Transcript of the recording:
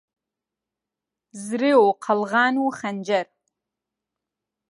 زرێ و قەلغان و خەنجەر